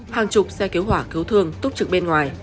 hàng chục xe cứu hỏa cứu thương túc trực bên ngoài